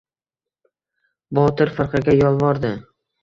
Botir firqaga yolvordi.